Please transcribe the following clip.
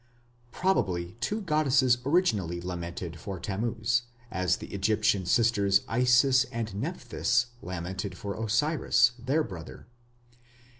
Probably two goddesses originally lamented for Tammuz, as the Egyptian sisters, Isis and Nepthys, lamented for Osiris, their brother.